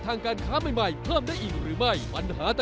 ถ้าบอกว่าคุณแหม่นสุริภาจะเสียใจ